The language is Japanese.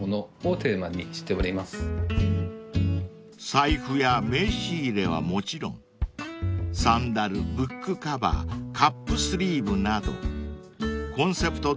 ［財布や名刺入れはもちろんサンダルブックカバーカップスリーブなどコンセプトどおり